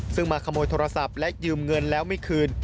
ซึ่งมาขโมยโทรศัพท์และยืมเงินแล้วไม่คืน